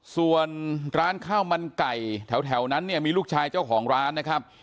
ส่วนร้านข้าวมันไก่แถวนั้นเนี่ยมีลูกชายเจ้าของร้านนะครับ